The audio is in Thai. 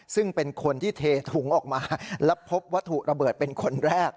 ซึ่งเป็นคนที่เทถุงออกมาแล้วพบวัตถุระเบิดเป็นคนแรก